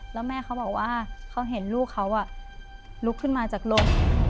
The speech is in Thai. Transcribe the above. แล้วแม่เขาบอกว่าเขาเห็นลูกเขาลุกขึ้นมาจากรถ